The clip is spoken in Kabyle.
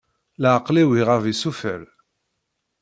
Leɛqel-iw iɣab isufer